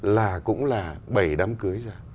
là cũng là bảy đám cưới